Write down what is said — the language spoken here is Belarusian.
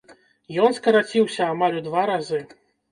Ён скараціўся амаль у два разы.